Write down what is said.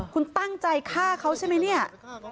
คุณตั้งใจฆ่าเขาใช่ไหมเนี่ย